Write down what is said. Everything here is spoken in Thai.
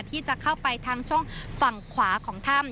ที่จะเข้าไปทางช่องฝั่งขวาของถ้ำ